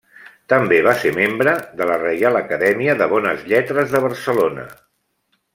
També va ser membre de la Reial Acadèmia de Bones Lletres de Barcelona.